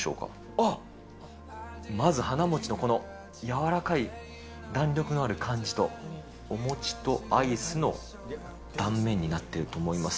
あっ、まず華もちのこの柔らかい弾力のある感じと、お餅とアイスの断面になってると思います。